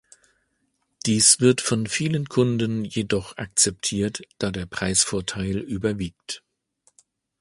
Dies wird von vielen Kunden jedoch akzeptiert, da der Preisvorteil überwiegt.